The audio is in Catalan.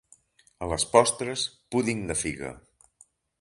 A les postres, púding de figa.